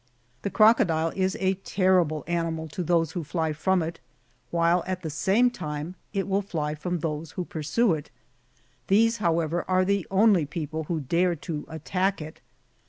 The crocodile is a terrible animal to those who fly from it, while at the same time it will fly from those who pursue it ; these, however, are the only people who dare to attack it.